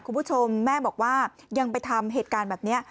คุณผู้ชมแม่บอกว่ายังไปทำเหตุการณ์แบบนี้